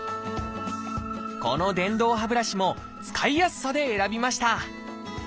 この電動歯ブラシも使いやすさで選びました。